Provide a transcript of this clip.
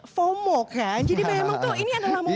fomo kan jadi memang tuh ini adalah momen